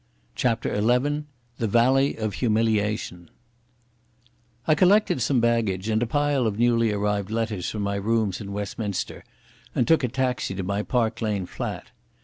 CHAPTER XI The Valley of Humiliation I collected some baggage and a pile of newly arrived letters from my rooms in Westminster and took a taxi to my Park Lane flat.